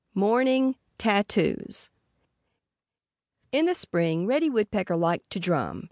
*III* *MORNING TATTOOS* In the spring Reddy Woodpecker liked to drum.